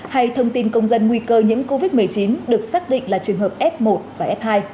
hay thông tin công dân nguy cơ nhiễm covid một mươi chín được xác định là trường hợp f một và f hai